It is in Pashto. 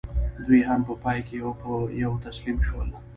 دوی هم په پای کې یو په یو تسلیم شول.